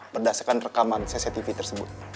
berdasarkan rekaman cctv tersebut